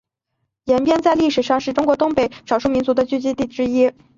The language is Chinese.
延边在历史上是中国东北少数民族的聚居地之一。